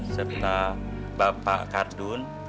serta bapak khardun